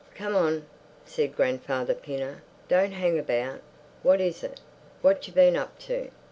"Come on," said Grandfather Pinner. "Don't hang about. What is it? What've you been up to?"